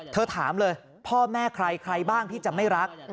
ถามเลยพ่อแม่ใครใครบ้างที่จะไม่รัก